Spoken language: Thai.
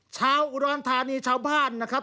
ชาวอุดรธานีชาวบ้านนะครับ